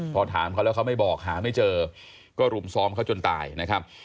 พอถามเขาแล้วเขาไม่บอกหาไม่เจอก็รุมซ้อมเขาจนตายนะครับ